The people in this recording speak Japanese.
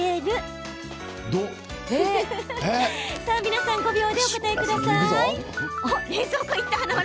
皆さん、５秒でお答えください。